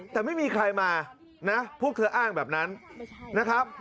แต่ไม่มีใครมานะพวกเธออ้างแบบนั้นนะครับ